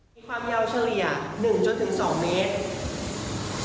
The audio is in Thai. มีความยาวเฉลี่ย๑๒เมตร